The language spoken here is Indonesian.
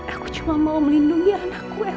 aku cuma mau melindungi anakku ya